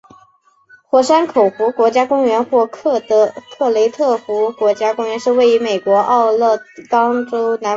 火山口湖国家公园或克雷特湖国家公园是位于美国奥勒冈州南部的一个国家公园。